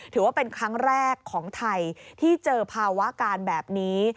ถือว่าเป็นครั้งแรกของไทยที่เจอภาวะการแบบนี้